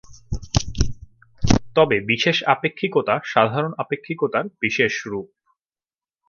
তবে বিশেষ আপেক্ষিকতা সাধারণ আপেক্ষিকতার বিশেষ রূপ।